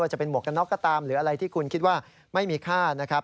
จะเป็นหมวกกันน็อกก็ตามหรืออะไรที่คุณคิดว่าไม่มีค่านะครับ